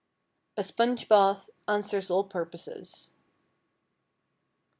A sponge bath answers all purposes.